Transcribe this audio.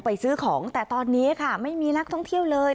ซื้อของแต่ตอนนี้ค่ะไม่มีนักท่องเที่ยวเลย